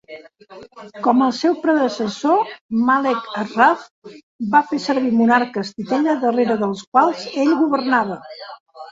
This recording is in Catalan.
Com el seu predecessor, Malek Asraf va fer servir monarques titella darrere dels quals ell governava.